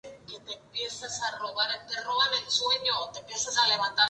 La música empieza a disiparse y se reafirma el tempo "Lento" original.